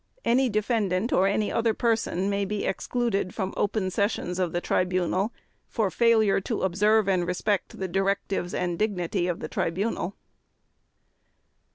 Any defendant or any other person may be excluded from open sessions of the Tribunal for failure to observe and respect the directives and dignity of the Tribunal.